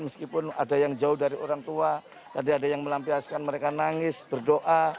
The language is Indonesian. meskipun ada yang jauh dari orang tua tadi ada yang melampiaskan mereka nangis berdoa